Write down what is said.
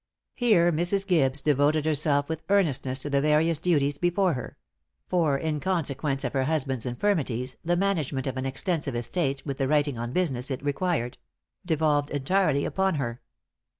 Here Mrs. Gibbes devoted herself with earnestness to the various duties before her; for in consequence of her husband's infirmities, the management of an extensive estate, with the writing on business it required devolved entirely upon her.